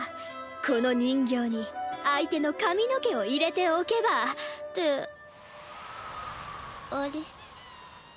この人形に相手の髪の毛を入れておけばってあれ？